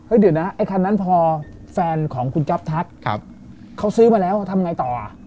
เดี๋ยวนะไอ้คันนั้นพอแฟนของคุณจ๊อปทักเขาซื้อมาแล้วทำไงต่ออ่ะ